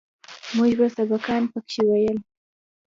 موږ به سبقان پکښې ويل.